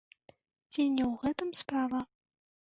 Ці не ў гэтым справа?